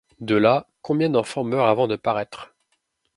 De là, combien d'enfants meurent avant de paraître.